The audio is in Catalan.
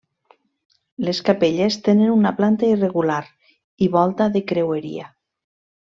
Les capelles tenen una planta irregular i volta de creueria.